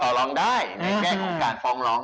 ร้องได้ในแง่ของการฟ้องร้อง